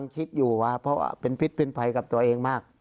คิดอยู่ว่าเพราะว่าเป็นพิษเป็นภัยกับตัวเองมาก